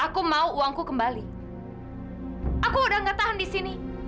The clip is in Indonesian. aku mau uangku kembali aku udah gak tahan di sini